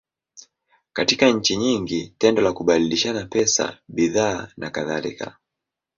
Katika nchi nyingi, tendo la kubadilishana pesa, bidhaa, nakadhalika.